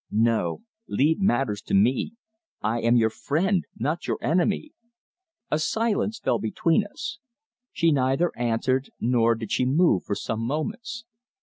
No. Leave matters to me. I am your friend not your enemy!" A silence fell between us. She neither answered nor did she move for some moments.